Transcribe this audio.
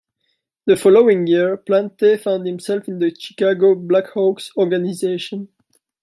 The following year Plante found himself in the Chicago Blackhawks organization.